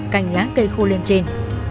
cành lá cây khô lên trên